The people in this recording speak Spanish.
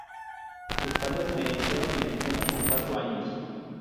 Sus padres la iniciaron en el piano con cuatro años.